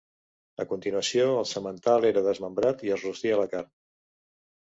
A continuació, el semental era desmembrat i es rostia la carn.